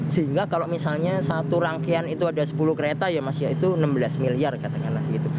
sehingga kalau misalnya satu rangkaian itu ada sepuluh kereta ya mas ya itu enam belas miliar katanya lah gitu